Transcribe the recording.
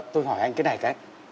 tôi hỏi anh cái này cái